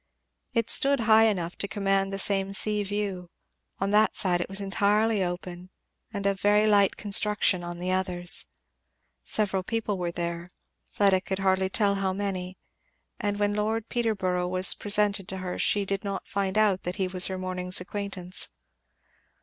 It stood high enough to command the same sea view. On that side it was entirely open, and of very light construction on the others. Several people were there; Fleda could hardly tell how many; and when Lord Peterborough was presented to her she did not find out that he was her morning's acquaintance.